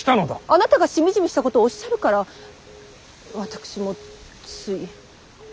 あなたがしみじみしたことおっしゃるから私もつい。